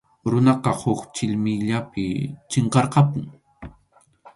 Runaqa huk chʼillmiyllapi chinkarqapun.